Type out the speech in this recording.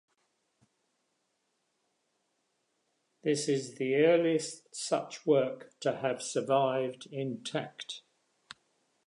This is the earliest such work to have survived intact.